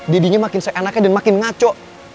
jadinya makin seenaknya dan makin ngaco